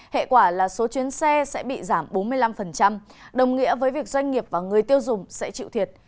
hệ quả là số chuyến xe sẽ bị giảm bốn mươi năm đồng nghĩa với việc doanh nghiệp và người tiêu dùng sẽ chịu thiệt